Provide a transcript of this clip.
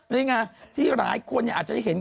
นี่ไงที่หลายคนอาจจะได้เห็น